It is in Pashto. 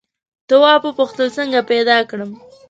تواب وپوښتل څنګه پیدا کړم.